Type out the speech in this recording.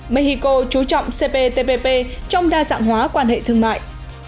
mexico chú trọng cptpp trong đa dạng hóa quan hệ thương mại